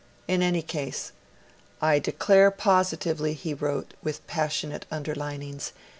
In any case, 'I declare POSITIVELY,' he wrote, with passionate underlinings.